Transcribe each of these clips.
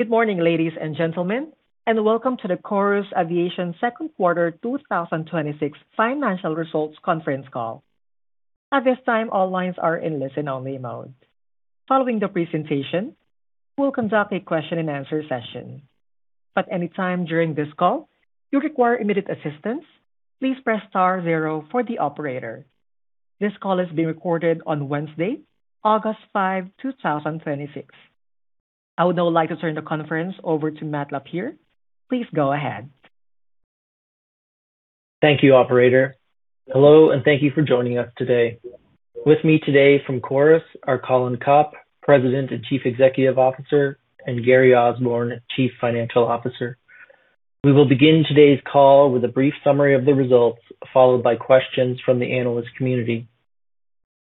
Good morning, ladies and gentlemen, and welcome to the Chorus Aviation Second Quarter 2026 Financial Results Conference Call. At this time, all lines are in listen-only mode. Following the presentation, we will conduct a question and answer session. At any time during this call you require immediate assistance, please press star zero for the operator. This call is being recorded on Wednesday, August 5, 2026. I would now like to turn the conference over to Matt LaPierre. Please go ahead. Thank you, operator. Hello. Thank you for joining us today. With me today from Chorus are Colin Copp, President and Chief Executive Officer, and Gary Osborne, Chief Financial Officer. We will begin today's call with a brief summary of the results, followed by questions from the analyst community.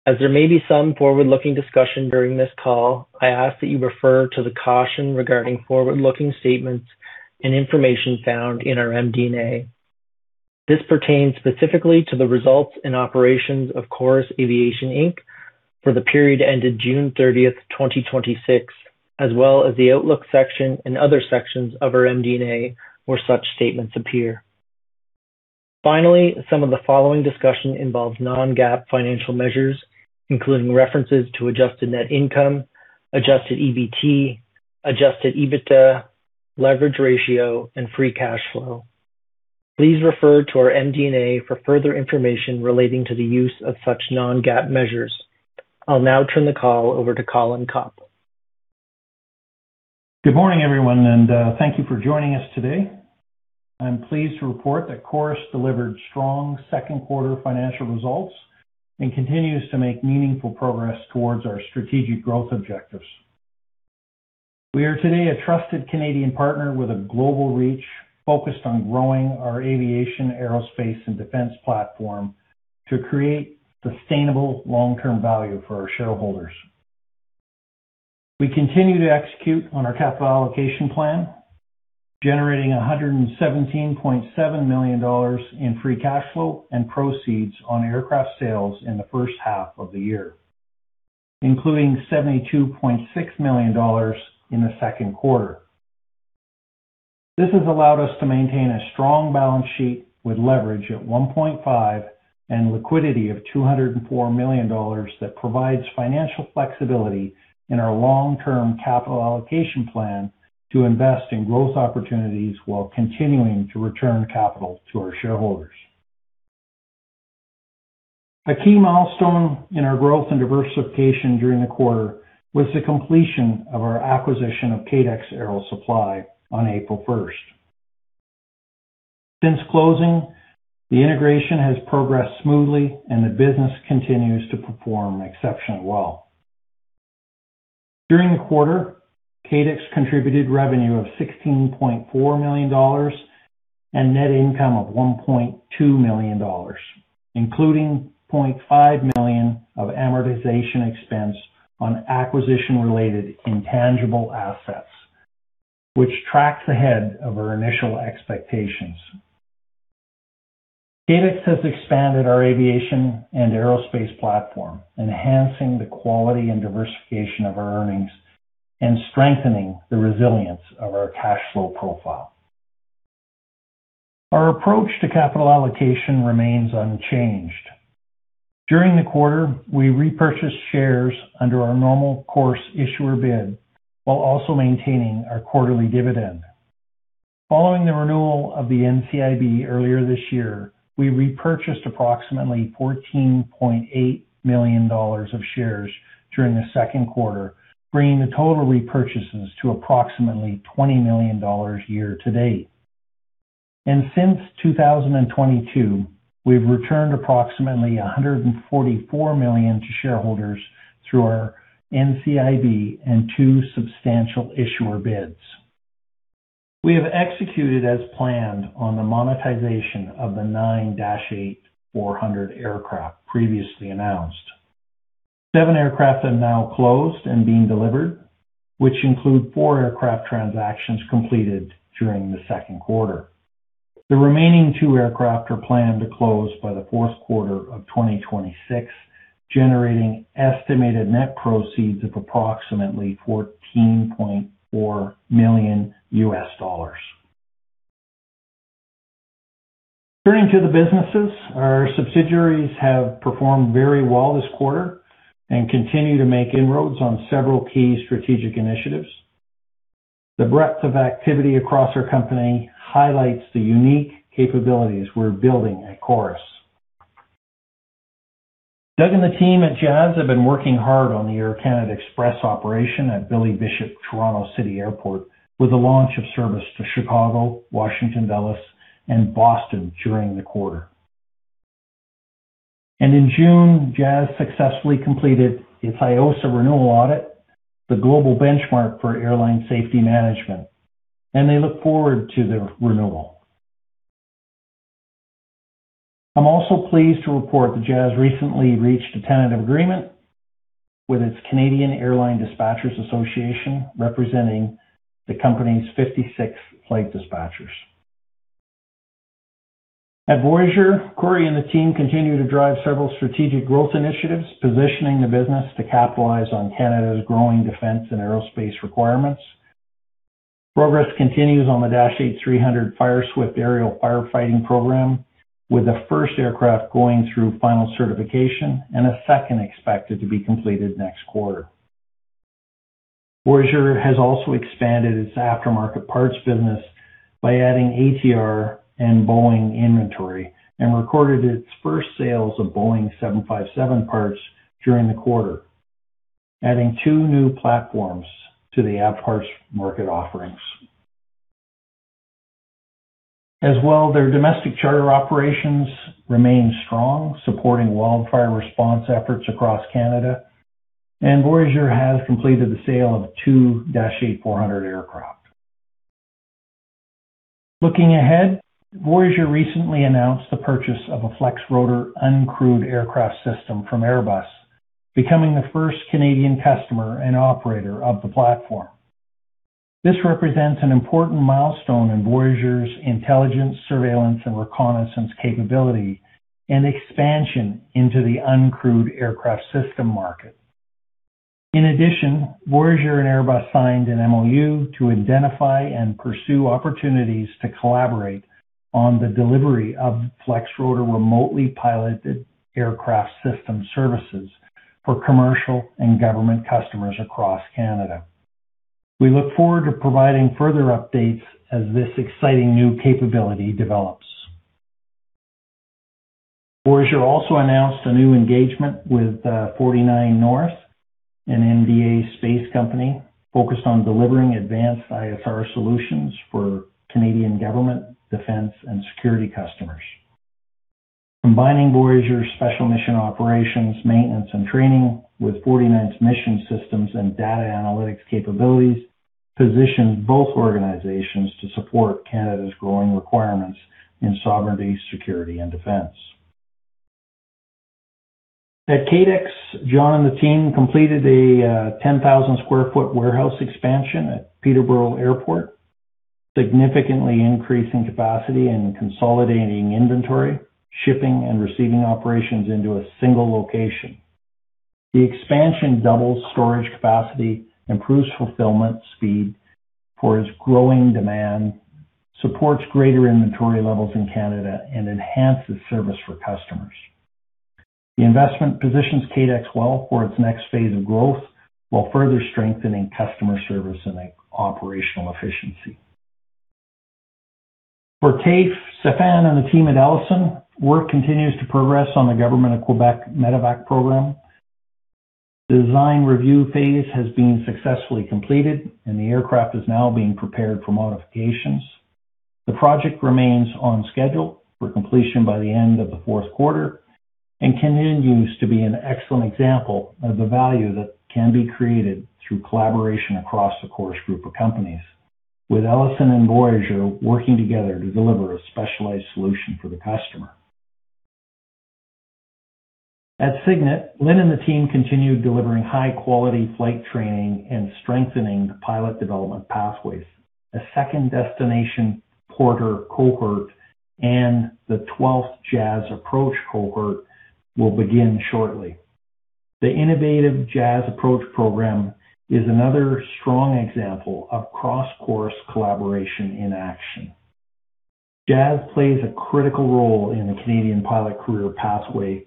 As there may be some forward-looking discussion during this call, I ask that you refer to the caution regarding forward-looking statements and information found in our MD&A. This pertains specifically to the results and operations of Chorus Aviation Inc. for the period ended June 30, 2026, as well as the outlook section and other sections of our MD&A where such statements appear. Finally, some of the following discussion involves non-GAAP financial measures, including references to adjusted net income, adjusted EBT, Adjusted EBITDA, leverage ratio, and free cash flow. Please refer to our MD&A for further information relating to the use of such non-GAAP measures. I will now turn the call over to Colin Copp. Good morning, everyone. Thank you for joining us today. I am pleased to report that Chorus delivered strong second quarter financial results and continues to make meaningful progress towards our strategic growth objectives. We are today a trusted Canadian partner with a global reach, focused on growing our aviation, aerospace, and defense platform to create sustainable long-term value for our shareholders. We continue to execute on our capital allocation plan, generating 117.7 million dollars in free cash flow and proceeds on aircraft sales in the first half of the year, including 72.6 million dollars in the second quarter. This has allowed us to maintain a strong balance sheet with leverage at 1.5 and liquidity of 204 million dollars that provides financial flexibility in our long-term capital allocation plan to invest in growth opportunities while continuing to return capital to our shareholders. A key milestone in our growth and diversification during the quarter was the completion of our acquisition of KADEX Aero Supply on April 1st. Since closing, the integration has progressed smoothly and the business continues to perform exceptionally well. During the quarter, KADEX contributed revenue of 16.4 million dollars and net income of 1.2 million dollars, including 0.5 million of amortization expense on acquisition-related intangible assets, which tracks ahead of our initial expectations. KADEX has expanded our aviation and aerospace platform, enhancing the quality and diversification of our earnings and strengthening the resilience of our cash flow profile. Our approach to capital allocation remains unchanged. During the quarter, we repurchased shares under our normal course issuer bid while also maintaining our quarterly dividend. Following the renewal of the NCIB earlier this year, we repurchased approximately 14.8 million dollars of shares during the second quarter, bringing the total repurchases to approximately 20 million dollars year to date. Since 2022, we've returned approximately 144 million to shareholders through our NCIB and two substantial issuer bids. We have executed as planned on the monetization of the nine Dash 8-400 aircraft previously announced. Seven aircraft have now closed and been delivered, which include four aircraft transactions completed during the second quarter. The remaining two aircraft are planned to close by the fourth quarter of 2026, generating estimated net proceeds of approximately $14.4 million USD. Turning to the businesses, our subsidiaries have performed very well this quarter and continue to make inroads on several key strategic initiatives. The breadth of activity across our company highlights the unique capabilities we're building at Chorus. Doug and the team at Jazz have been working hard on the Air Canada Express operation at Billy Bishop Toronto City Airport with the launch of service to Chicago, Washington Dulles, and Boston during the quarter. In June, Jazz successfully completed its IOSA renewal audit, the global benchmark for airline safety management, and they look forward to the renewal. I'm also pleased to report that Jazz recently reached a tentative agreement with its Canadian Airline Dispatchers Association, representing the company's 56 flight dispatchers. At Voyageur, Cory and the team continue to drive several strategic growth initiatives, positioning the business to capitalize on Canada's growing defense and aerospace requirements. Progress continues on the Dash 8-300 Fireswift aerial firefighting program, with the first aircraft going through final certification and a second expected to be completed next quarter. Voyageur has also expanded its aftermarket parts business by adding ATR and Boeing inventory and recorded its first sales of Boeing 757 parts during the quarter, adding two new platforms to the aftermarket offerings. As well, their domestic charter operations remain strong, supporting wildfire response efforts across Canada, and Voyageur has completed the sale of two Dash 8-400 aircraft. Looking ahead, Voyageur recently announced the purchase of a Flexrotor uncrewed aircraft system from Airbus, becoming the first Canadian customer and operator of the platform. This represents an important milestone in Voyageur's Intelligence, Surveillance, and Reconnaissance capability and expansion into the uncrewed aircraft system market. In addition, Voyageur and Airbus signed an MOU to identify and pursue opportunities to collaborate on the delivery of Flexrotor remotely piloted aircraft system services for commercial and government customers across Canada. We look forward to providing further updates as this exciting new capability develops. Voyageur also announced a new engagement with 49North, an MDA Space company focused on delivering advanced ISR solutions for Canadian government, defense, and security customers. Combining Voyageur special mission operations, maintenance, and training with 49North's mission systems and data analytics capabilities positions both organizations to support Canada's growing requirements in sovereignty, security, and defense. At KADEX, John and the team completed a 10,000 sq ft warehouse expansion at Peterborough Airport, significantly increasing capacity and consolidating inventory, shipping, and receiving operations into a single location. The expansion doubles storage capacity, improves fulfillment speed for its growing demand, supports greater inventory levels in Canada, and enhances service for customers. The investment positions KADEX well for its next phase of growth, while further strengthening customer service and operational efficiency. For TAF, Stéphan and the team at Elisen, work continues to progress on the Government of Quebec MEDEVAC program. The design review phase has been successfully completed, and the aircraft is now being prepared for modifications. The project remains on schedule for completion by the end of the fourth quarter and continues to be an excellent example of the value that can be created through collaboration across the Chorus group of companies, with Elisen and Voyageur working together to deliver a specialized solution for the customer. At Cygnet, Lynne and the team continued delivering high-quality flight training and strengthening the pilot development pathways. A second destination Porter cohort and the 12th Jazz Approach cohort will begin shortly. The innovative Jazz Approach program is another strong example of cross-Chorus collaboration in action. Jazz plays a critical role in the Canadian pilot career pathway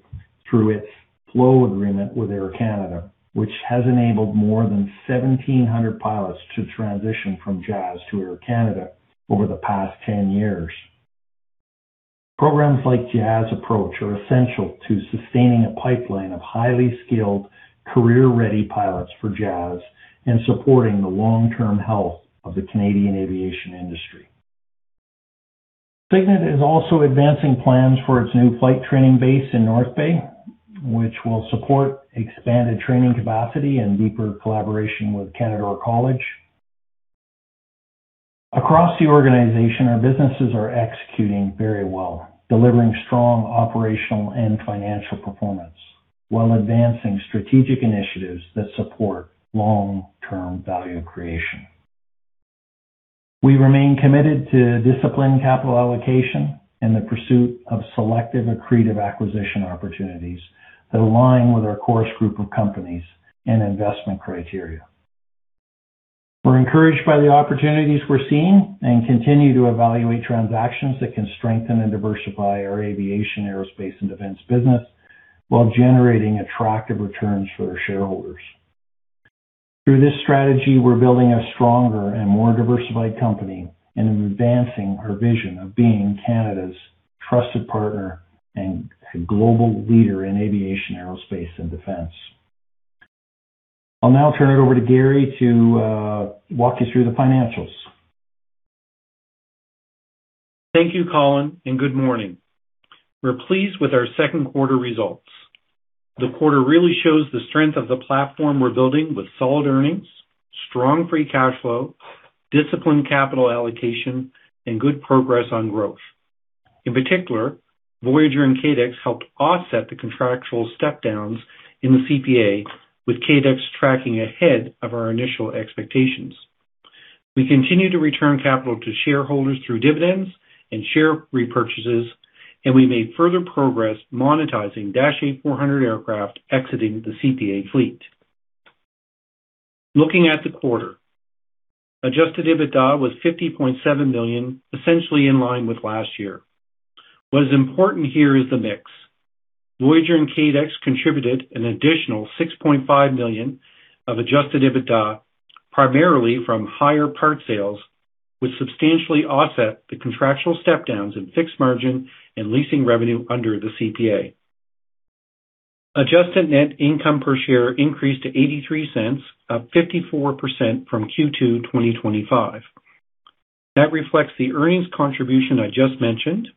through its flow agreement with Air Canada, which has enabled more than 1,700 pilots to transition from Jazz to Air Canada over the past 10 years. Programs like Jazz Approach are essential to sustaining a pipeline of highly skilled, career-ready pilots for Jazz and supporting the long-term health of the Canadian aviation industry. Cygnet is also advancing plans for its new flight training base in North Bay, which will support expanded training capacity and deeper collaboration with Canadore College. Across the organization, our businesses are executing very well, delivering strong operational and financial performance while advancing strategic initiatives that support long-term value creation. We remain committed to disciplined capital allocation and the pursuit of selective, accretive acquisition opportunities that align with our Chorus group of companies and investment criteria. We're encouraged by the opportunities we're seeing and continue to evaluate transactions that can strengthen and diversify our aviation, aerospace, and defense business while generating attractive returns for our shareholders. Through this strategy, we're building a stronger and more diversified company and advancing our vision of being Canada's trusted partner and a global leader in aviation, aerospace, and defense. I'll now turn it over to Gary to walk you through the financials. Thank you, Colin, and good morning. We are pleased with our second quarter results. The quarter really shows the strength of the platform we are building with solid earnings, strong free cash flow, disciplined capital allocation, and good progress on growth. In particular, Voyageur and KADEX helped offset the contractual step downs in the CPA, with KADEX tracking ahead of our initial expectations. We continue to return capital to shareholders through dividends and share repurchases. We made further progress monetizing Dash 8-400 aircraft exiting the CPA fleet. Looking at the quarter, Adjusted EBITDA was 50.7 million, essentially in line with last year. What is important here is the mix. Voyageur and KADEX contributed an additional 6.5 million of Adjusted EBITDA, primarily from higher part sales, which substantially offset the contractual step downs in fixed margin and leasing revenue under the CPA. Adjusted net income per share increased to 0.83, up 54% from Q2 2025. That reflects the earnings contribution I just mentioned,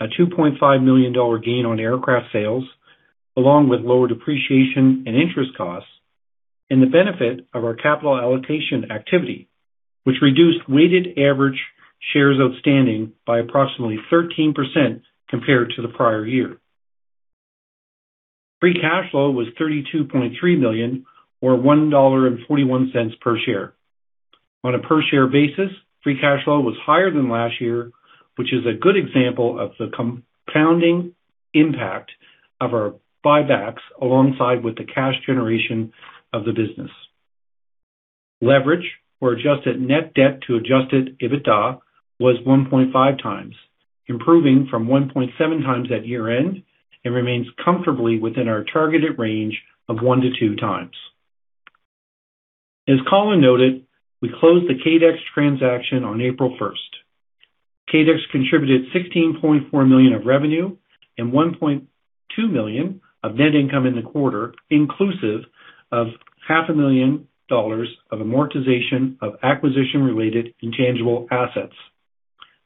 a 2.5 million dollar gain on aircraft sales, along with lower depreciation and interest costs, and the benefit of our capital allocation activity, which reduced weighted average shares outstanding by approximately 13% compared to the prior year. Free cash flow was 32.3 million, or 1.41 dollar per share. On a per share basis, free cash flow was higher than last year, which is a good example of the compounding impact of our buybacks alongside with the cash generation of the business. Leverage or adjusted net debt to Adjusted EBITDA was 1.5x, improving from 1.7x at year-end, and remains comfortably within our targeted range of 1 to 2x. As Colin noted, we closed the KADEX transaction on April 1st. KADEX contributed 16.4 million of revenue and 1.2 million of net income in the quarter, inclusive of half a million dollars of amortization of acquisition-related intangible assets.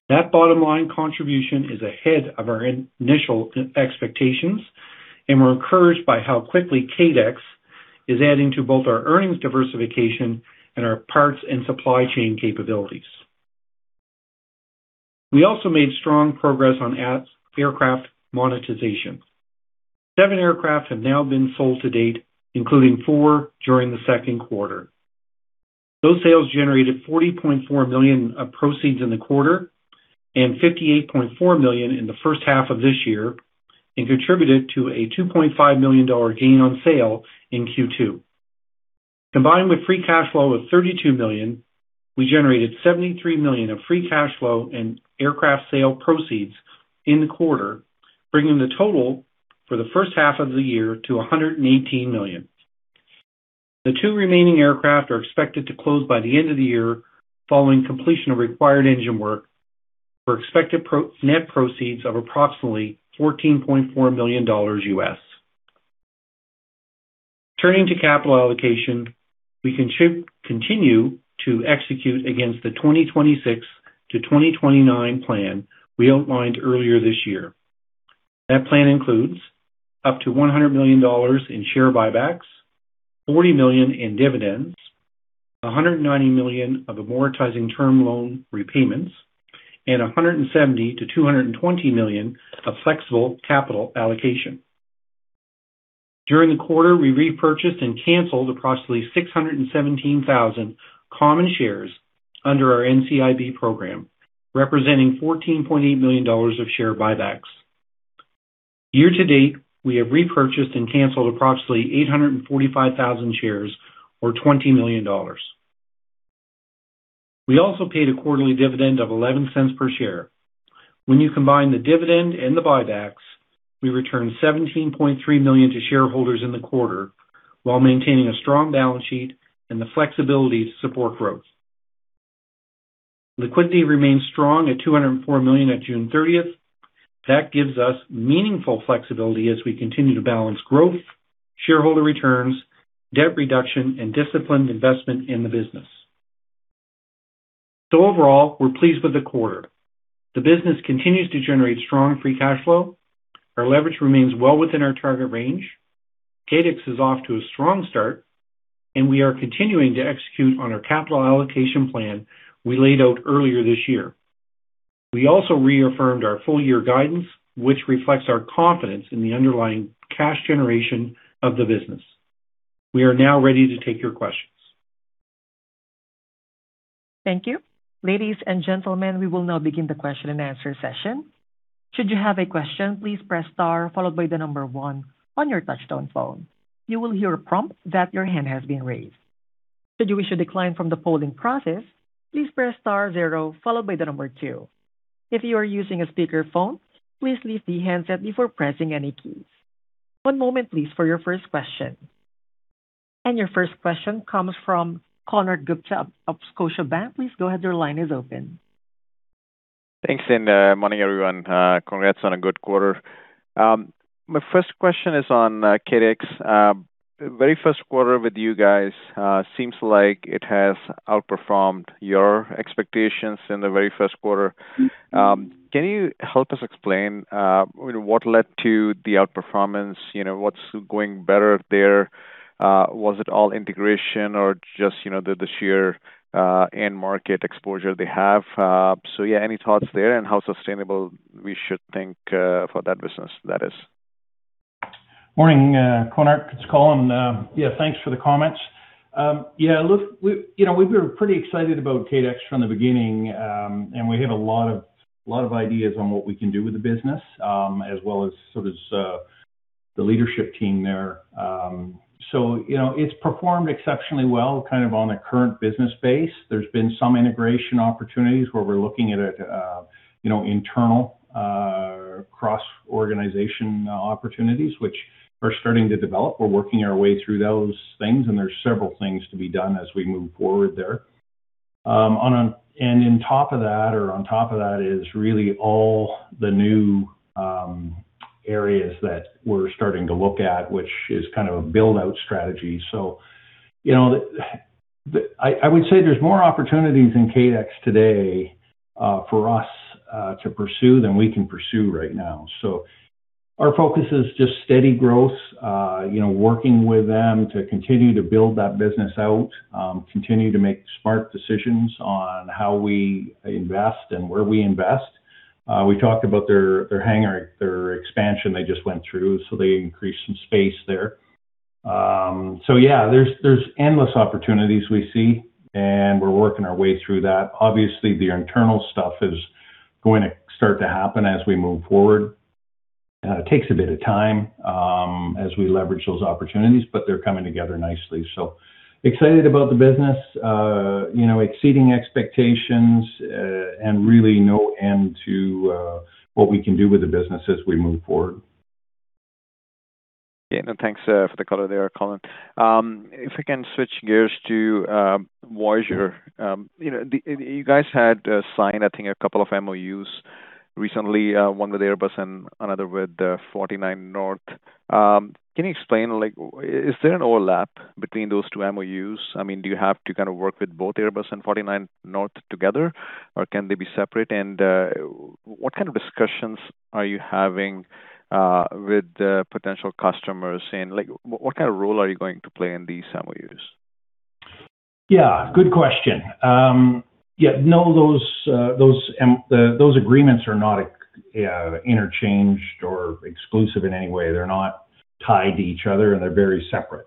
That bottom line contribution is ahead of our initial expectations. We are encouraged by how quickly KADEX is adding to both our earnings diversification and our parts and supply chain capabilities. We also made strong progress on aircraft monetization. Seven aircraft have now been sold to date, including four during the second quarter. Those sales generated 40.4 million of proceeds in the quarter and 58.4 million in the first half of this year and contributed to a 2.5 million dollar gain on sale in Q2. Combined with free cash flow of 32 million, we generated 73 million of free cash flow in aircraft sale proceeds in the quarter, bringing the total for the first half of the year to 118 million. The two remaining aircraft are expected to close by the end of the year, following completion of required engine work for expected net proceeds of approximately $14.4 million U.S. Turning to capital allocation, we continue to execute against the 2026 to 2029 plan we outlined earlier this year. That plan includes up to 100 million dollars in share buybacks, 40 million in dividends, 190 million of amortizing term loan repayments, and 170 million to 220 million of flexible capital allocation. During the quarter, we repurchased and canceled approximately 617,000 common shares under our NCIB program, representing 14.8 million dollars of share buybacks. Year to date, we have repurchased and canceled approximately 845,000 shares, or 20 million dollars. We also paid a quarterly dividend of 0.11 per share. You combine the dividend and the buybacks, we returned 17.3 million to shareholders in the quarter while maintaining a strong balance sheet and the flexibility to support growth. Liquidity remains strong at 204 million at June 30th. That gives us meaningful flexibility as we continue to balance growth, shareholder returns, debt reduction, and disciplined investment in the business. Overall, we're pleased with the quarter. The business continues to generate strong free cash flow. Our leverage remains well within our target range. KADEX is off to a strong start, and we are continuing to execute on our capital allocation plan we laid out earlier this year. We also reaffirmed our full year guidance, which reflects our confidence in the underlying cash generation of the business. We are now ready to take your questions. Thank you. Ladies and gentlemen, we will now begin the question and answer session. Should you have a question, please press star followed by one on your touch-tone phone. You will hear a prompt that your hand has been raised. Should you wish to decline from the polling process, please press star zero followed by two. If you are using a speakerphone, please leave the handset before pressing any keys. One moment, please, for your first question. Your first question comes from Konark Gupta of Scotiabank. Please go ahead. Your line is open. Thanks, morning, everyone. Congrats on a good quarter. My first question is on KADEX. Very first quarter with you guys. Seems like it has outperformed your expectations in the very first quarter. Can you help us explain what led to the outperformance? What's going better there? Was it all integration or just the sheer end market exposure they have? Yeah, any thoughts there and how sustainable we should think for that business? Morning, Konark. It's Colin. Yeah, thanks for the comments. Yeah, look, we've been pretty excited about KADEX from the beginning, and we have a lot of ideas on what we can do with the business, as well as the leadership team there. It's performed exceptionally well on a current business base. There's been some integration opportunities where we're looking at internal cross-Chorus opportunities, which are starting to develop. We're working our way through those things, and there's several things to be done as we move forward there. On top of that is really all the new areas that we're starting to look at, which is kind of a build-out strategy. I would say there's more opportunities in KADEX today for us to pursue than we can pursue right now. Our focus is just steady growth, working with them to continue to build that business out, continue to make smart decisions on how we invest and where we invest. We talked about their hangar, their expansion they just went through, so they increased some space there. Yeah, there's endless opportunities we see, and we're working our way through that. Obviously, the internal stuff is going to start to happen as we move forward. It takes a bit of time as we leverage those opportunities, but they're coming together nicely. Excited about the business, exceeding expectations, and really no end to what we can do with the business as we move forward. Yeah. No, thanks for the color there, Colin. If I can switch gears to Voyageur. You guys had signed, I think, a couple of MOUs recently, one with Airbus and another with 49North. Can you explain, is there an overlap between those two MOUs? Do you have to work with both Airbus and 49North together, or can they be separate? What kind of discussions are you having with potential customers, and what kind of role are you going to play in these MOUs? Yeah. Good question. No, those agreements are not interchanged or exclusive in any way. They're not tied to each other, and they're very separate.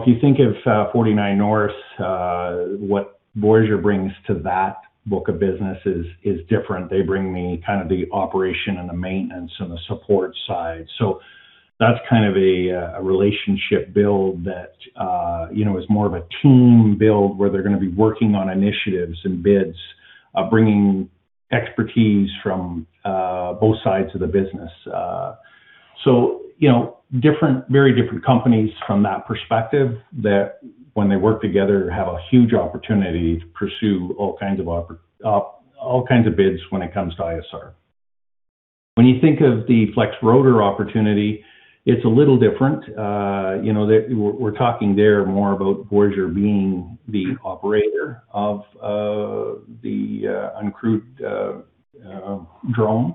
If you think of 49North, what Voyageur brings to that book of business is different. They bring the operation and the maintenance and the support side. That's kind of a relationship build that is more of a team build where they're going to be working on initiatives and bids, bringing expertise from both sides of the business. Very different companies from that perspective, that when they work together, have a huge opportunity to pursue all kinds of bids when it comes to ISR. When you think of the Flexrotor opportunity, it's a little different. We're talking there more about Voyageur being the operator of the uncrewed drone,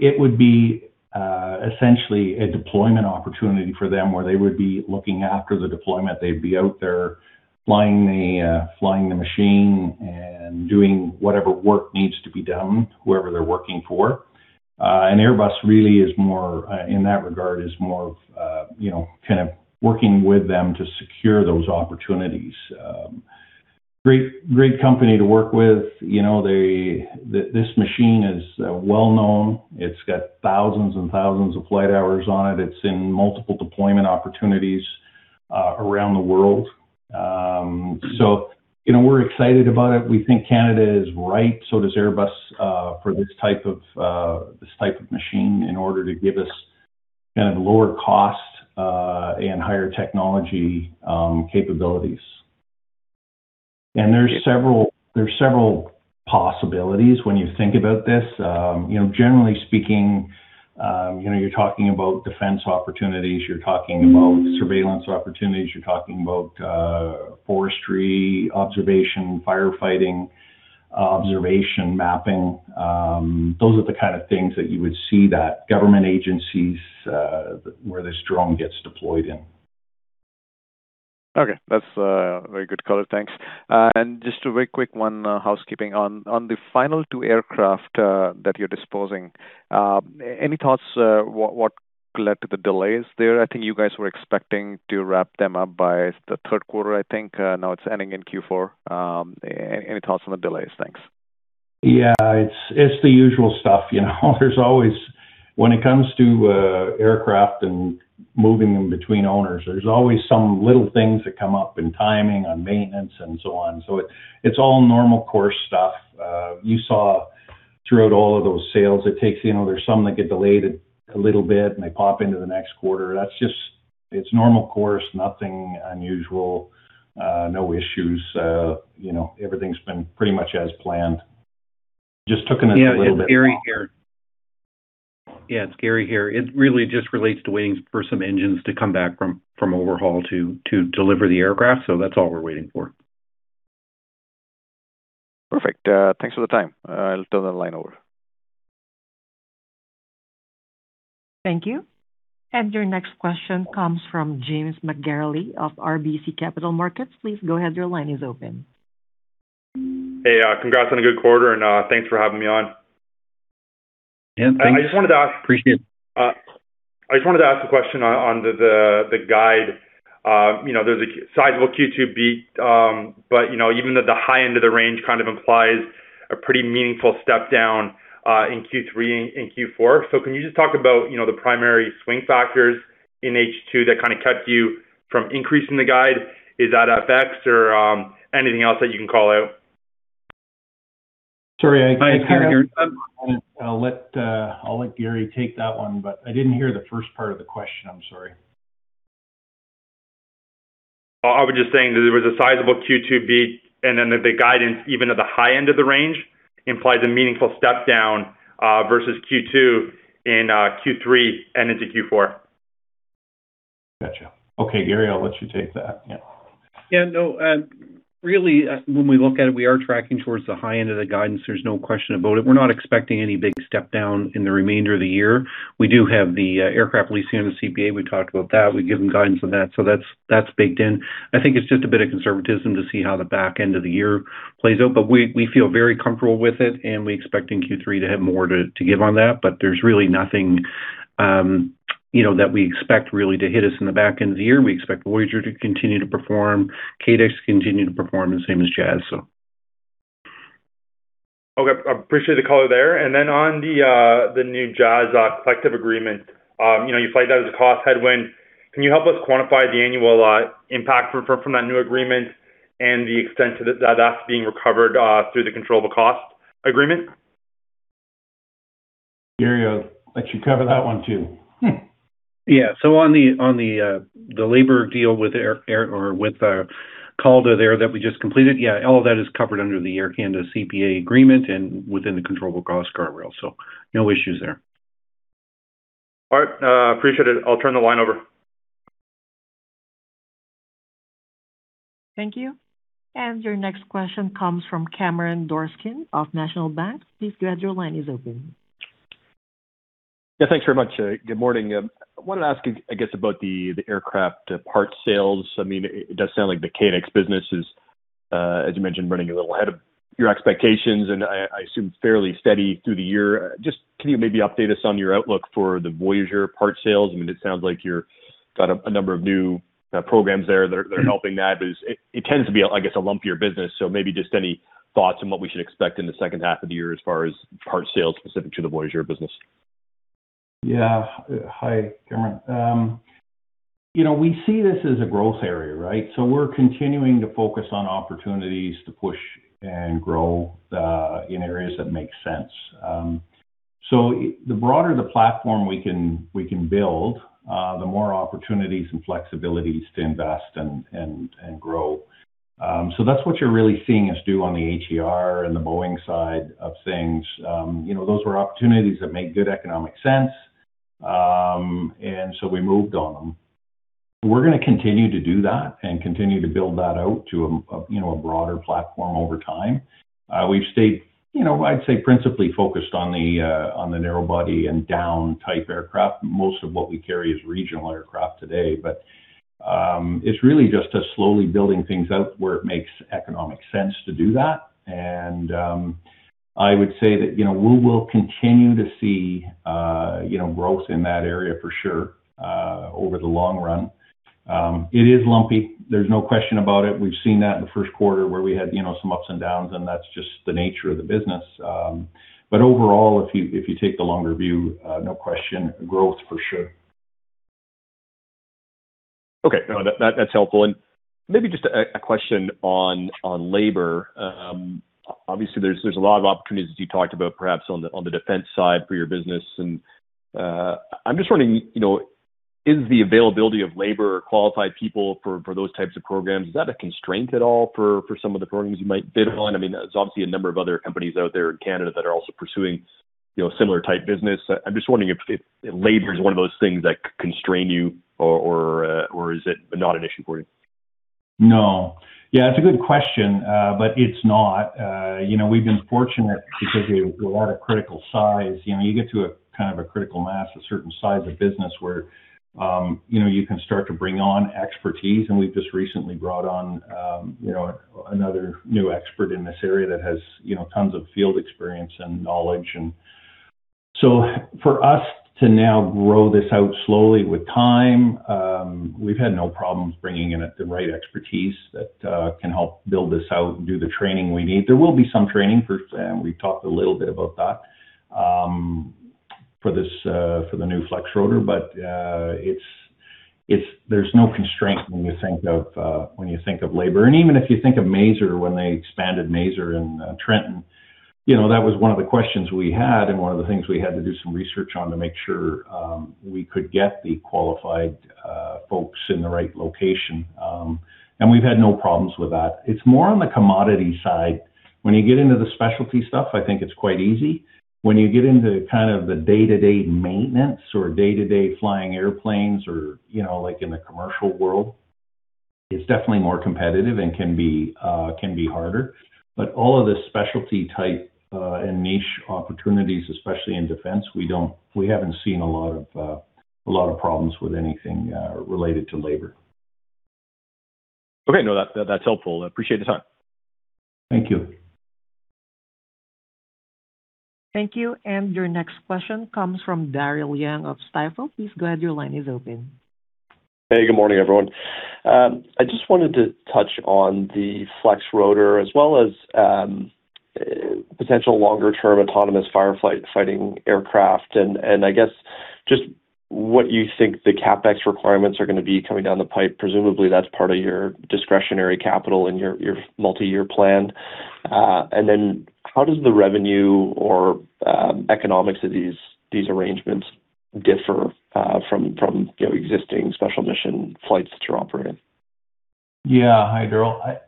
it would be essentially a deployment opportunity for them where they would be looking after the deployment. They'd be out there flying the machine and doing whatever work needs to be done, whoever they're working for. Airbus, in that regard, is more of working with them to secure those opportunities. Great company to work with. This machine is well-known. It's got thousands and thousands of flight hours on it. It's in multiple deployment opportunities around the world. We're excited about it. We think Canada is right, so does Airbus, for this type of machine in order to give us lower cost and higher technology capabilities. There's several possibilities when you think about this. Generally speaking, you're talking about defense opportunities, you're talking about surveillance opportunities, you're talking about forestry observation, firefighting observation, mapping. Those are the kind of things that you would see that government agencies, where this drone gets deployed in. Okay. That's a very good color. Thanks. Just a very quick one, housekeeping. On the final two aircraft that you're disposing, any thoughts what led to the delays there? I think you guys were expecting to wrap them up by the third quarter, I think. Now it's ending in Q4. Any thoughts on the delays? Thanks. Yeah. It's the usual stuff. When it comes to aircraft and moving them between owners, there's always some little things that come up in timing, on maintenance, and so on. It's all normal course stuff. You saw throughout all of those sales, there's some that get delayed a little bit, and they pop into the next quarter. It's normal course, nothing unusual, no issues. Everything's been pretty much as planned. Just taking it a little bit longer. Yeah, it's Gary here. It really just relates to waiting for some engines to come back from overhaul to deliver the aircraft. That's all we're waiting for. Perfect. Thanks for the time. I'll turn the line over. Thank you. Your next question comes from James McGarragle of RBC Capital Markets. Please go ahead, your line is open. Hey, congrats on a good quarter. Thanks for having me on. Yeah, thanks. Appreciate it. I just wanted to ask a question on the guide. There's a sizable Q2 beat, but even at the high end of the range, kind of implies a pretty meaningful step down in Q3 and Q4. Can you just talk about the primary swing factors in H2 that kept you from increasing the guide? Is that FX or anything else that you can call out? Sorry, I didn't hear. I'll let Gary take that one. I didn't hear the first part of the question. I'm sorry. I was just saying that there was a sizable Q2 beat, that the guidance, even at the high end of the range, implies a meaningful step down, versus Q2 in Q3 and into Q4. Got you. Okay, Gary, I'll let you take that. Yeah. Yeah, no. Really, when we look at it, we are tracking towards the high end of the guidance. There's no question about it. We're not expecting any big step down in the remainder of the year. We do have the Aircraft Lease Canada CPA, we talked about that. We've given guidance on that. That's baked in. We feel very comfortable with it, and we're expecting Q3 to have more to give on that. There's really nothing that we expect really to hit us in the back end of the year. We expect Voyageur to continue to perform, KADEX to continue to perform, the same as Jazz. Okay. Appreciate the color there. On the new Jazz collective agreement, you flagged that as a cost headwind. Can you help us quantify the annual impact from that new agreement and the extent to that's being recovered through the controllable cost agreement? Gary, I'll let you cover that one, too. On the labor deal with CALDA that we just completed, all of that is covered under the Air Canada CPA agreement and within the controllable cost guardrail. No issues there. All right. Appreciate it. I'll turn the line over. Thank you. Your next question comes from Cameron Doerksen of National Bank. Please go ahead. Your line is open. Thanks very much. Good morning. I wanted to ask, I guess, about the aircraft parts sales. It does sound like the KADEX business is, as you mentioned, running a little ahead of your expectations and I assume fairly steady through the year. Just can you maybe update us on your outlook for the Voyageur part sales? It sounds like you're got a number of new programs there that are helping that, but it tends to be, I guess, a lumpier business. Maybe just any thoughts on what we should expect in the second half of the year as far as part sales specific to the Voyageur business? Hi, Cameron. We see this as a growth area, right? We're continuing to focus on opportunities to push and grow in areas that make sense. The broader the platform we can build, the more opportunities and flexibilities to invest and grow. That's what you're really seeing us do on the ATR and the Boeing side of things. Those were opportunities that make good economic sense, we moved on them. We're going to continue to do that and continue to build that out to a broader platform over time. We've stayed, I'd say principally focused on the narrow body and down type aircraft. Most of what we carry is regional aircraft today. It's really just us slowly building things out where it makes economic sense to do that. I would say that we will continue to see growth in that area for sure, over the long run. It is lumpy. There's no question about it. We've seen that in the first quarter where we had some ups and downs, and that's just the nature of the business. Overall, if you take the longer view, no question, growth for sure. No, that's helpful. Maybe just a question on labor. Obviously, there's a lot of opportunities that you talked about perhaps on the defense side for your business. I'm just wondering, is the availability of labor or qualified people for those types of programs, is that a constraint at all for some of the programs you might bid on? There's obviously a number of other companies out there in Canada that are also pursuing similar type business. I'm just wondering if labor is one of those things that constrain you or is it not an issue for you? It's a good question. It's not. We've been fortunate because we have a lot of critical size. You get to a kind of a critical mass, a certain size of business where you can start to bring on expertise, and we've just recently brought on another new expert in this area that has tons of field experience and knowledge. For us to now grow this out slowly with time, we've had no problems bringing in the right expertise that can help build this out and do the training we need. There will be some training first, and we've talked a little bit about that for the new Flexrotor. There's no constraint when you think of labor. Even if you think of Mazer, when they expanded Mazer in Trenton, that was one of the questions we had and one of the things we had to do some research on to make sure we could get the qualified folks in the right location. We've had no problems with that. It's more on the commodity side. When you get into the specialty stuff, I think it's quite easy. When you get into kind of the day-to-day maintenance or day-to-day flying airplanes or like in the commercial world, it's definitely more competitive and can be harder. But all of the specialty type and niche opportunities, especially in defense, we haven't seen a lot of problems with anything related to labor. Okay. No, that's helpful. I appreciate the time. Thank you. Thank you. Your next question comes from Daryl Young of Stifel. Please go ahead. Your line is open. Hey, good morning, everyone. I just wanted to touch on the Flexrotor, as well as potential longer-term autonomous firefighting aircraft, what you think the CapEx requirements are going to be coming down the pipe. Presumably, that's part of your discretionary capital and your multi-year plan. How does the revenue or economics of these arrangements differ from existing special mission flights that you're operating? Yeah. Hi,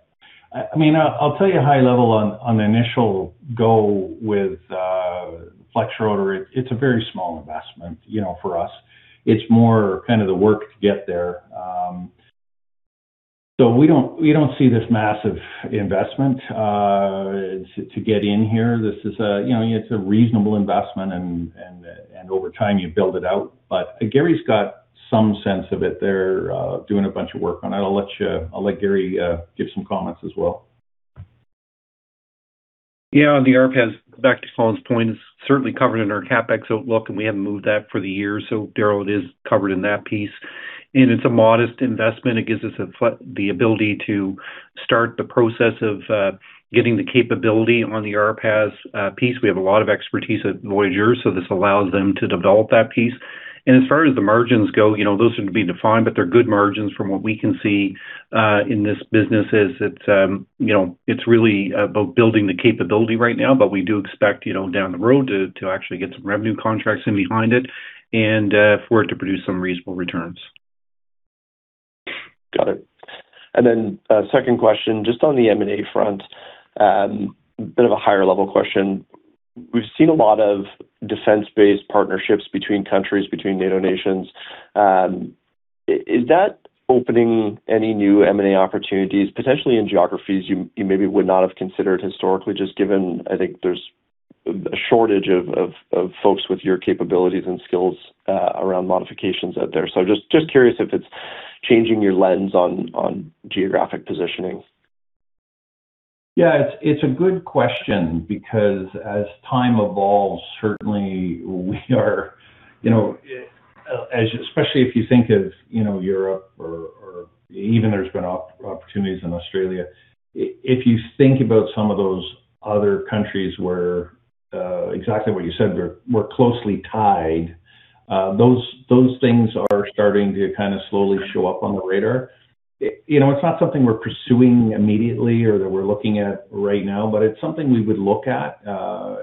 Daryl. I'll tell you high level on the initial go with Flexrotor, it's a very small investment for us. It's more kind of the work to get there. We don't see this massive investment to get in here. It's a reasonable investment, and over time, you build it out. Gary's got some sense of it there, doing a bunch of work on it. I'll let Gary give some comments as well. Yeah, on the RPAS, back to Colin's point, it's certainly covered in our CapEx outlook, and we haven't moved that for the year. Daryl, it is covered in that piece, and it's a modest investment. It gives us the ability to start the process of getting the capability on the RPAS piece. We have a lot of expertise at Voyageur, this allows them to develop that piece. As far as the margins go, those are to be defined, they're good margins from what we can see in this business, is it's really about building the capability right now. We do expect, down the road, to actually get some revenue contracts in behind it and for it to produce some reasonable returns. Got it. A second question, just on the M&A front, a bit of a higher level question. We've seen a lot of defense-based partnerships between countries, between NATO nations. Is that opening any new M&A opportunities, potentially in geographies you maybe would not have considered historically, just given, I think there's a shortage of folks with your capabilities and skills around modifications out there. Just curious if it's changing your lens on geographic positioning. It's a good question because as time evolves, certainly we are especially if you think of Europe or even there's been opportunities in Australia. If you think about some of those other countries where, exactly what you said, we're closely tied, those things are starting to kind of slowly show up on the radar. It's not something we're pursuing immediately or that we're looking at right now, but it's something we would look at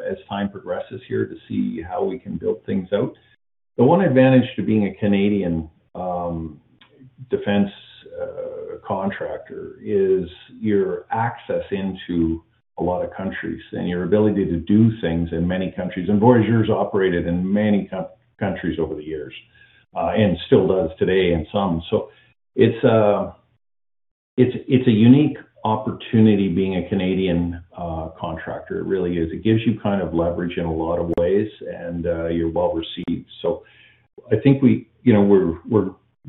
as time progresses here to see how we can build things out. The one advantage to being a Canadian defense contractor is your access into a lot of countries and your ability to do things in many countries, and Voyageur's operated in many countries over the years. Still does today in some. It's a unique opportunity being a Canadian contractor, it really is. It gives you leverage in a lot of ways, and you're well-received. I think we're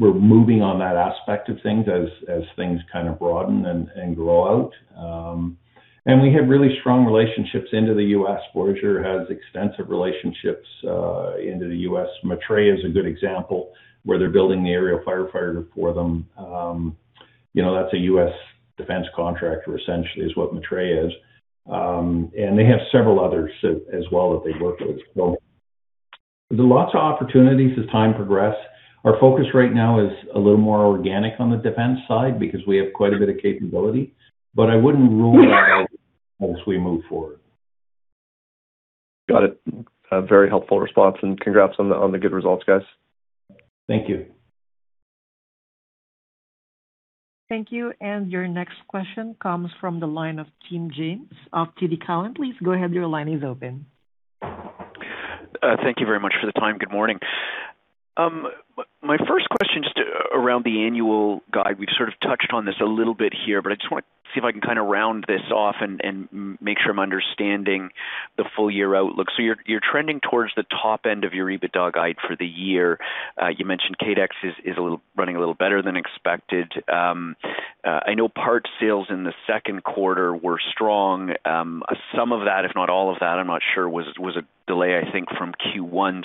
moving on that aspect of things as things kind of broaden and grow out. We have really strong relationships into the U.S. Voyageur has extensive relationships into the U.S. Matra is a good example, where they're building the aerial firefighter for them. That's a U.S. defense contractor, essentially, is what Matra is. They have several others as well that they work with. There's lots of opportunities as time progress. Our focus right now is a little more organic on the defense side because we have quite a bit of capability, but I wouldn't rule it out as we move forward. Got it. A very helpful response, congrats on the good results, guys. Thank you. Thank you. Your next question comes from the line of Tim James of TD Cowen. Please go ahead, your line is open. Thank you very much for the time. Good morning. My first question, just around the annual guide, we've sort of touched on this a little bit here, but I just want to see if I can kind of round this off and make sure I'm understanding the full year outlook. You're trending towards the top end of your EBITDA guide for the year. You mentioned KADEX is running a little better than expected. I know parts sales in the second quarter were strong. Some of that, if not all of that, I'm not sure, was a delay, I think, from Q1.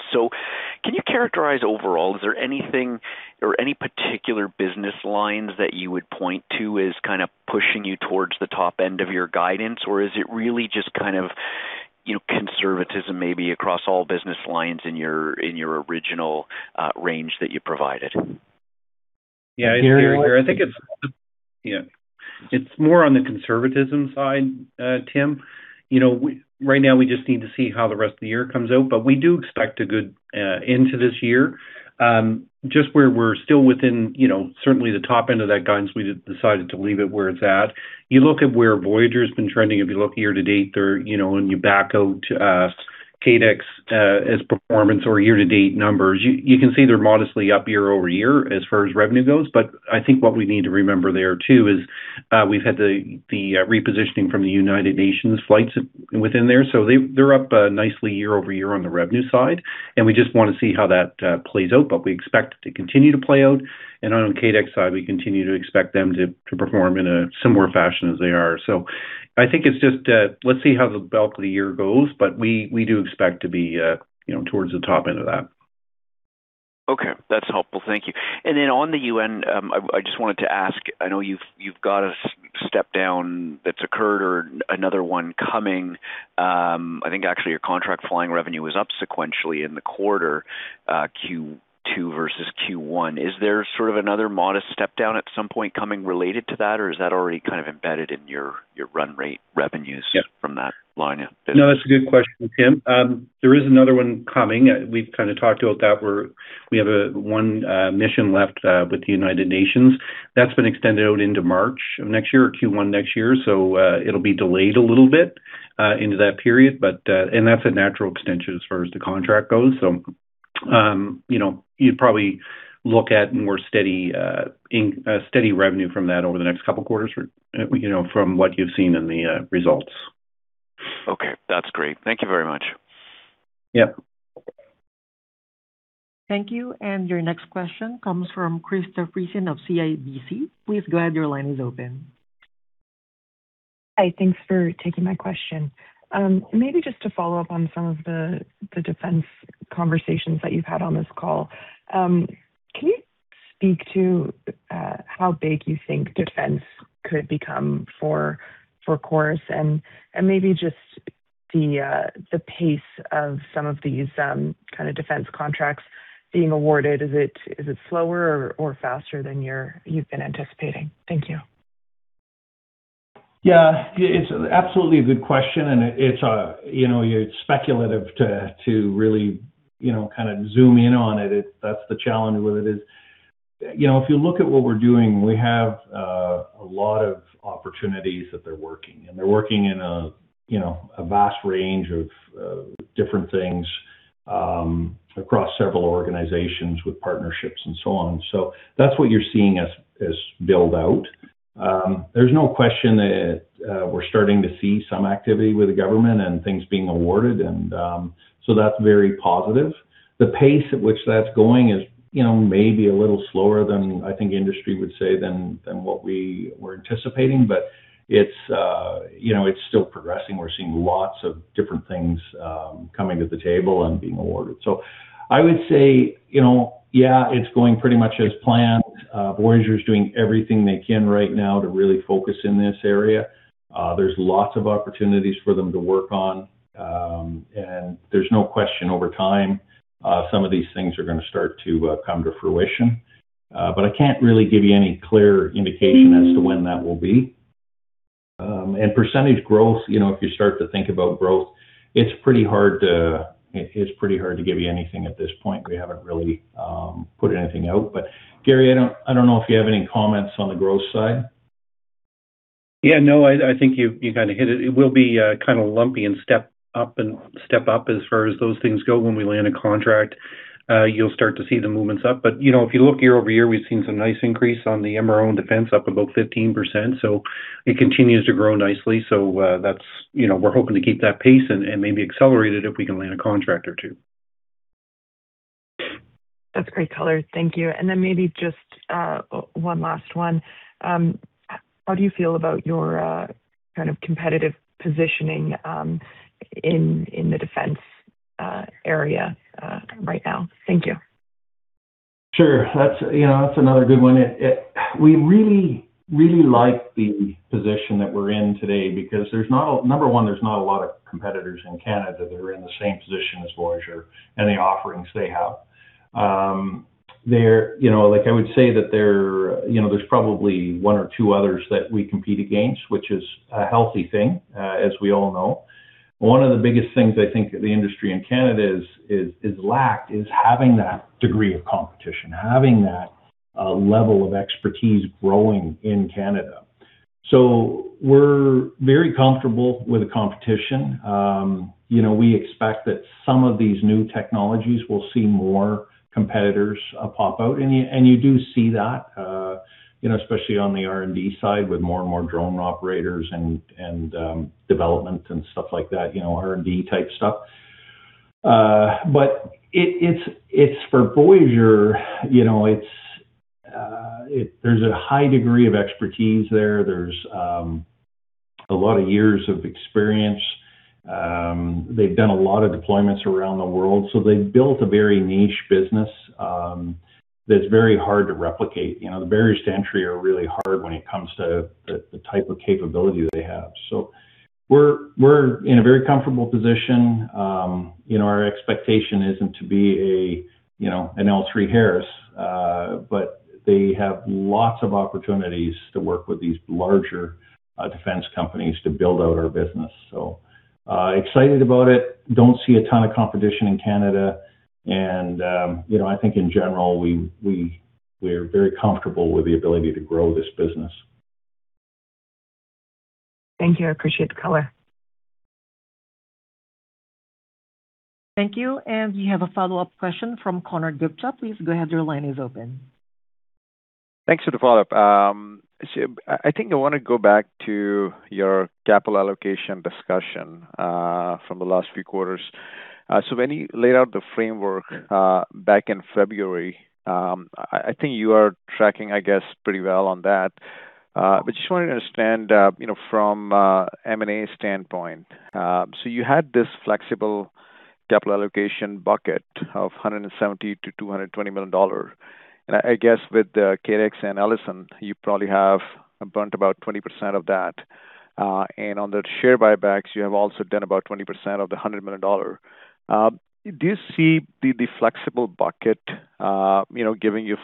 Can you characterize overall, is there anything or any particular business lines that you would point to as kind of pushing you towards the top end of your guidance, or is it really just kind of conservatism maybe across all business lines in your original range that you provided? Yeah. I think it's more on the conservatism side, Tim. Right now, we just need to see how the rest of the year comes out, but we do expect a good end to this year. Just where we're still within certainly the top end of that guidance, we decided to leave it where it's at. You look at where Voyageur's been trending. If you look year-to-date, and you back out KADEX's performance or year-to-date numbers, you can see they're modestly up year-over-year as far as revenue goes. I think what we need to remember there too is We've had the repositioning from the United Nations flights within there. They're up nicely year-over-year on the revenue side, and we just want to see how that plays out, but we expect it to continue to play out. On the KADEX side, we continue to expect them to perform in a similar fashion as they are. I think it's just let's see how the bulk of the year goes, but we do expect to be towards the top end of that. Okay. That's helpful. Thank you. On the United Nations, I just wanted to ask, I know you've got a step down that's occurred or another one coming. I think actually your contract flying revenue was up sequentially in the quarter Q2 versus Q1. Is there sort of another modest step down at some point coming related to that, or is that already kind of embedded in your run rate revenues. Yeah From that line of business? No, that's a good question, Tim. There is another one coming. We've kind of talked about that. We have one mission left with the United Nations. That's been extended out into March of next year or Q1 next year, so it'll be delayed a little bit into that period, and that's a natural extension as far as the contract goes. You'd probably look at more steady revenue from that over the next couple of quarters from what you've seen in the results. Okay. That's great. Thank you very much. Yep. Thank you. Your next question comes from Krista Friesen of CIBC. Please go ahead, your line is open. Hi, thanks for taking my question. Maybe just to follow up on some of the defense conversations that you've had on this call. Can you speak to how big you think defense could become for Chorus and maybe just the pace of some of these kind of defense contracts being awarded, is it slower or faster than you've been anticipating? Thank you. Yeah, it's absolutely a good question and it's speculative to really kind of zoom in on it. That's the challenge with it is. If you look at what we're doing, we have a lot of opportunities that they're working, and they're working in a vast range of different things across several organizations with partnerships and so on. That's what you're seeing as build out. There's no question that we're starting to see some activity with the government and things being awarded, and so that's very positive. The pace at which that's going is maybe a little slower than I think industry would say than what we were anticipating. It's still progressing. We're seeing lots of different things coming to the table and being awarded. I would say, yeah, it's going pretty much as planned. Voyageur's doing everything they can right now to really focus in this area. There's lots of opportunities for them to work on. There's no question over time some of these things are going to start to come to fruition. I can't really give you any clear indication as to when that will be. Percentage growth, if you start to think about growth, it's pretty hard to give you anything at this point. We haven't really put anything out, but Gary, I don't know if you have any comments on the growth side. Yeah, no, I think you kind of hit it. It will be kind of lumpy and step up as far as those things go. When we land a contract, you'll start to see the movements up. If you look year-over-year, we've seen some nice increase on the MRO and defense up about 15%, so it continues to grow nicely. We're hoping to keep that pace and maybe accelerate it if we can land a contract or two. That's great color. Thank you. Maybe just one last one. How do you feel about your kind of competitive positioning in the defense area right now? Thank you. Sure. That's another good one. We really like the position that we're in today because, number 1, there's not a lot of competitors in Canada that are in the same position as Voyageur and the offerings they have. I would say that there's probably one or two others that we compete against, which is a healthy thing, as we all know. One of the biggest things I think the industry in Canada has lacked is having that degree of competition, having that level of expertise growing in Canada. We're very comfortable with the competition. We expect that some of these new technologies will see more competitors pop out, and you do see that especially on the R&D side with more and more drone operators and development and stuff like that, R&D type stuff. For Voyageur, there's a high degree of expertise there. There's a lot of years of experience. They've done a lot of deployments around the world. They've built a very niche business that's very hard to replicate. The barriers to entry are really hard when it comes to the type of capability they have. We're in a very comfortable position. Our expectation isn't to be an L3Harris. They have lots of opportunities to work with these larger defense companies to build out our business. Excited about it. Don't see a ton of competition in Canada, and I think in general, we're very comfortable with the ability to grow this business. Thank you. I appreciate the color. Thank you. We have a follow-up question from Konark Gupta. Please go ahead, your line is open. Thanks for the follow-up. I think I want to go back to your capital allocation discussion from the last few quarters. When you laid out the framework back in February, I think you are tracking, I guess, pretty well on that. Just wanted to understand from an M&A standpoint. You had this flexible capital allocation bucket of 170 million-220 million dollar. I guess with KADEX and Elisen, you probably have burnt about 20% of that. On the share buybacks, you have also done about 20% of the 100 million dollar. Do you see the flexible bucket giving you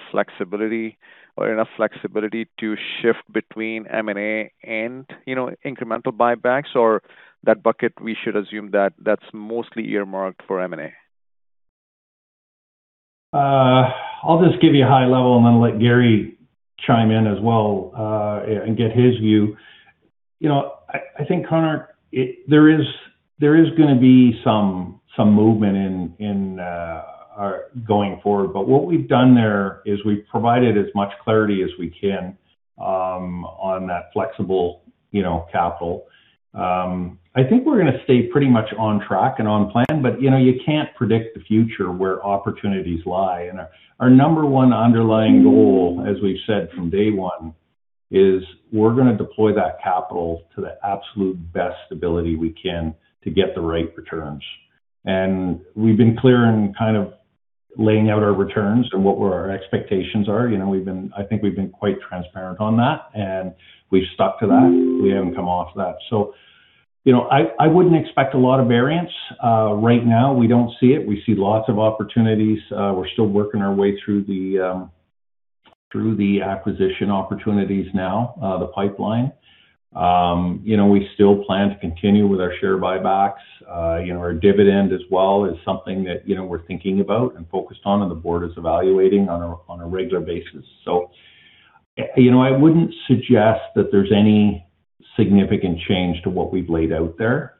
enough flexibility to shift between M&A and incremental buybacks? That bucket, we should assume that's mostly earmarked for M&A? I'll just give you a high level and then let Gary chime in as well and get his view. I think, Konark, there is going to be some movement going forward. What we've done there is we've provided as much clarity as we can on that flexible capital. I think we're going to stay pretty much on track and on plan, but you can't predict the future where opportunities lie. Our number one underlying goal, as we've said from day one, is we're going to deploy that capital to the absolute best ability we can to get the right returns. We've been clear in kind of laying out our returns and what our expectations are. I think we've been quite transparent on that, and we've stuck to that. We haven't come off that. I wouldn't expect a lot of variance. Right now, we don't see it. We see lots of opportunities. We're still working our way through the acquisition opportunities now, the pipeline. We still plan to continue with our share buybacks. Our dividend as well is something that we're thinking about and focused on, and the board is evaluating on a regular basis. I wouldn't suggest that there's any significant change to what we've laid out there.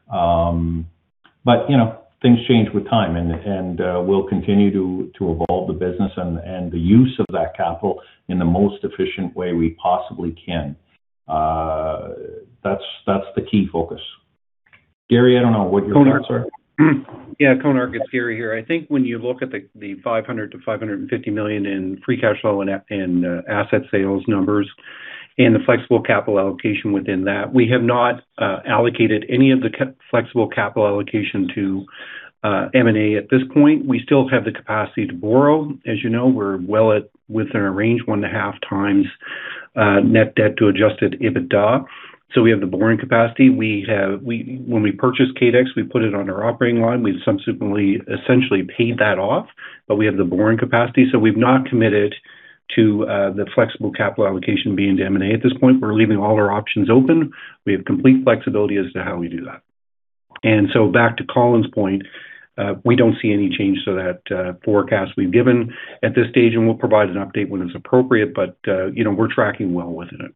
Things change with time, and we'll continue to evolve the business and the use of that capital in the most efficient way we possibly can. That's the key focus. Gary, I don't know what your thoughts are. Yeah, Konark, it's Gary here. I think when you look at the 500 million to 550 million in free cash flow and asset sales numbers and the flexible capital allocation within that, we have not allocated any of the flexible capital allocation to M&A at this point. We still have the capacity to borrow. As you know, we're well within our range, 1.5x net debt to Adjusted EBITDA. We have the borrowing capacity. When we purchased KADEX, we put it on our operating line. We've subsequently essentially paid that off, we have the borrowing capacity. We've not committed to the flexible capital allocation being to M&A at this point. We're leaving all our options open. We have complete flexibility as to how we do that. Back to Colin's point, we don't see any change to that forecast we've given at this stage, and we'll provide an update when it's appropriate. We're tracking well within it.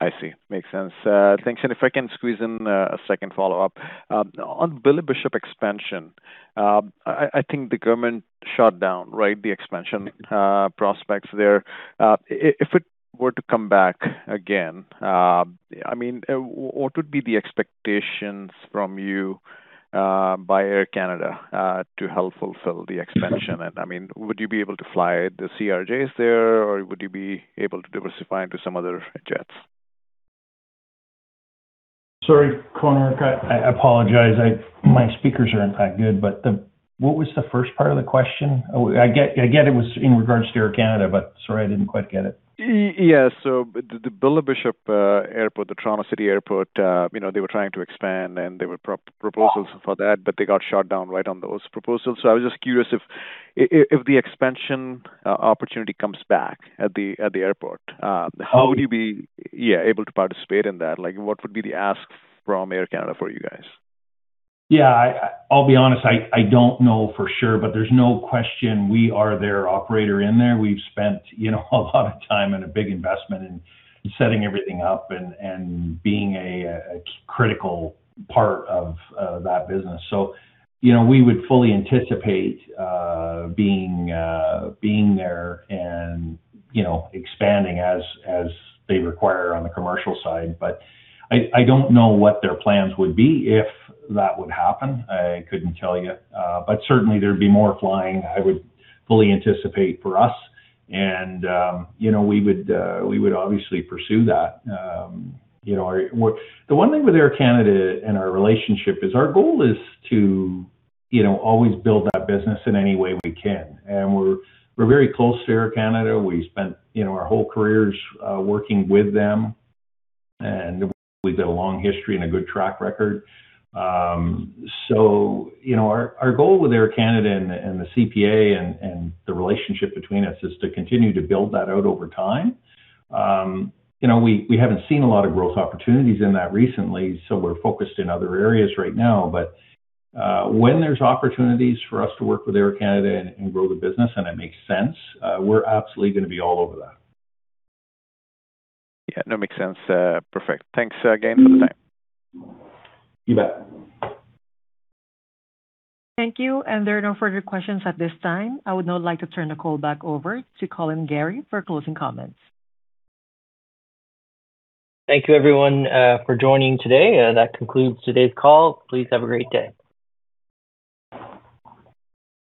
I see. Makes sense. Thanks. If I can squeeze in a second follow-up. On Billy Bishop expansion, I think the government shut down the expansion prospects there. If it were to come back again, what would be the expectations from you by Air Canada to help fulfill the expansion? Would you be able to fly the CRJ there, or would you be able to diversify into some other jets? Sorry, Konark, I apologize. My speakers aren't that good, what was the first part of the question? I get it was in regards to Air Canada, sorry, I didn't quite get it. Yeah. The Billy Bishop Airport, the Toronto City Airport, they were trying to expand and there were proposals for that, they got shot down right on those proposals. I was just curious if the expansion opportunity comes back at the airport, how would you be able to participate in that? What would be the ask from Air Canada for you guys? Yeah. I'll be honest, I don't know for sure, there's no question we are their operator in there. We've spent a lot of time and a big investment in setting everything up and being a critical part of that business. We would fully anticipate being there and expanding as they require on the commercial side. I don't know what their plans would be if that would happen. I couldn't tell you. Certainly there'd be more flying, I would fully anticipate, for us. We would obviously pursue that. The one thing with Air Canada and our relationship is our goal is to always build that business in any way we can. We're very close to Air Canada. We spent our whole careers working with them, and we've got a long history and a good track record. Our goal with Air Canada and the CPA and the relationship between us is to continue to build that out over time. We haven't seen a lot of growth opportunities in that recently, we're focused in other areas right now. When there's opportunities for us to work with Air Canada and grow the business and it makes sense, we're absolutely going to be all over that Yeah. No, makes sense. Perfect. Thanks again for the time. You bet. Thank you. There are no further questions at this time. I would now like to turn the call back over to Colin and Gary for closing comments. Thank you, everyone, for joining today. That concludes today's call. Please have a great day.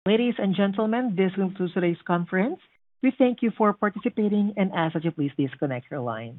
Ladies and gentlemen, this concludes today's conference. We thank you for participating. As usual, please disconnect your line.